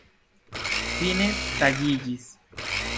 Fine tagiĝis.